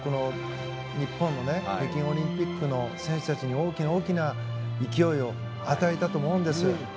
日本の北京オリンピックの選手たちに大きな大きな勢いを与えたと思うんです。